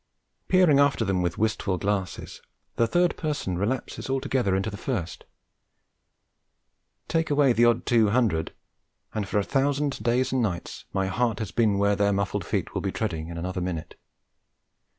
Peering after them with wistful glasses, the third person relapses altogether into the first. Take away the odd two hundred, and for a thousand days and nights my heart has been where their muffled feet will be treading in another minute.